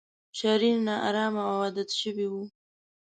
شرير، نا ارامه او عادت شوی و.